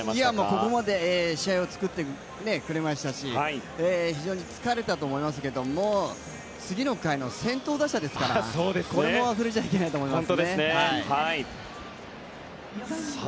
ここまで試合を作ってくれましたし非常に疲れたと思いますが次の回の先頭打者ですからこれも忘れちゃいけないと思います。